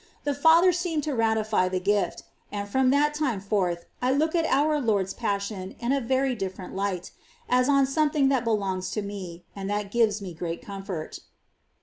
The Father seemed to ratify the gift ; and from that time forth I look at our Lord's Passion in a very different light, as on something that belongs to me ; and that gives me great comfort.